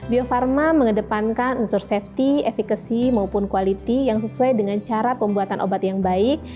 bio farma mengedepankan unsur safety efekasi maupun quality yang sesuai dengan cara pembuatan obat yang baik